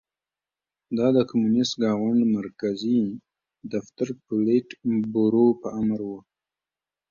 دا د کمونېست ګوند مرکزي دفتر پولیټ بورو په امر و